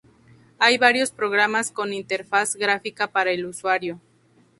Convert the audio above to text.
Hay varios programas con interfaz gráfica para el usuario.